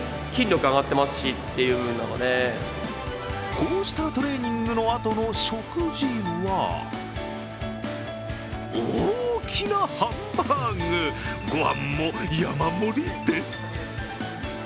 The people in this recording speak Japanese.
こうしたトレーニングのあとの食事は大きなハンバーグ、ごはんも山盛りです。